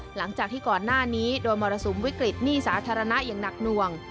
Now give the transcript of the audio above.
หลังจากที่ก่อนหน้านี้โดนมรสุมวิกฤตหนี้สาธารณะอย่างหนักหน่วง